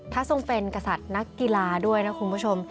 ถ้าทรงเป็นกษัตริย์นักกีฬาด้วยนะคุณผู้ชม